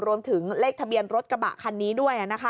รวมถึงเลขทะเบียนรถกระบะคันนี้ด้วย